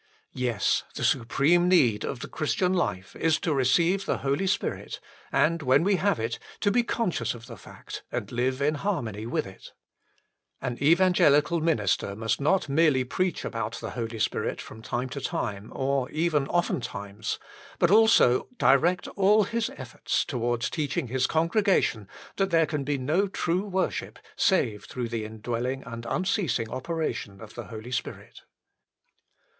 2 Yes : the supreme need of the Christian life is to receive the Holy Spirit, and when we have it, to be conscious of the fact and live in harmony with it. An evan gelical minister must not merely preach about 1 Acts ii. 38. 2 1 Cor. vi. 19 ; Eph. v. 18. 14 THE FULL BLESSING OF PENTECOST the Holy Spirit from time to time or even often times, but also direct all his efforts towards teaching his congregation that there can be no true worship save through the indwelling and unceasing operation of the Holy Spirit.